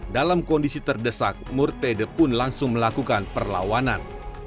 dalam kondisi terdesak murtede pun langsung melakukan perlawanan